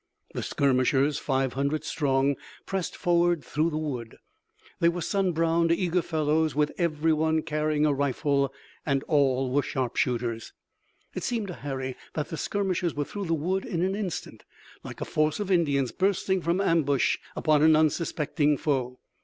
The skirmishers, five hundred strong, pressed forward through the wood. They were sun browned, eager fellows, every one carrying a rifle, and all sharpshooters. It seemed to Harry that the skirmishers were through the wood in an instant, like a force of Indians bursting from ambush upon an unsuspecting foe.